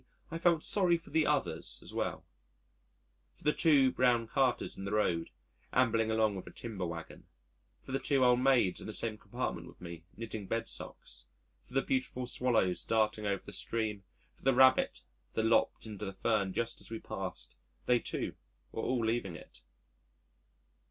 e._ I felt sorry for the others as well for the two brown carters in the road ambling along with a timber waggon, for the two old maids in the same compartment with me knitting bedsocks, for the beautiful Swallows darting over the stream, for the rabbit that lopped into the fern just as we passed they too were all leaving it.